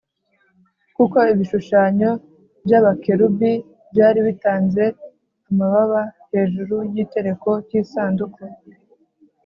kuko ibishushanyo by’abakerubi byari bitanze amababa hejuru y’igitereko cy’isanduku